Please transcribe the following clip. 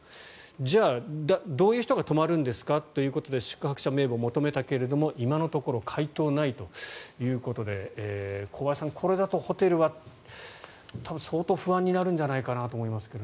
じゃあ、どういう人が泊まるんですか？ということで宿泊者名簿を求めたけど今のところ回答がないということで小林さん、これだとホテルは多分、相当不安になるんじゃないかなと思いますが。